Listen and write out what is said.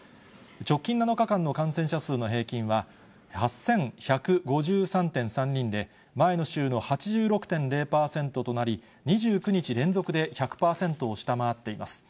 直近７日間の感染者数の平均は８１５３．３人で、前の週の８６．０％となり、２９日連続で１００％を下回っています。